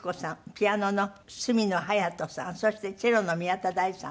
ピアノの角野隼斗さんそしてチェロの宮田大さん。